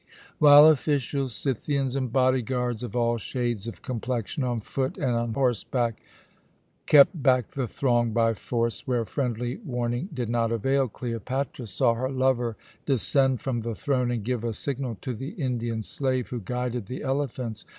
While officials, Scythians, and body guards of all shades of complexion, on foot and on horseback, kept back the throng by force where friendly warning did not avail, Cleopatra saw her lover descend from the throne and give a signal to the Indian slave who guided the elephants.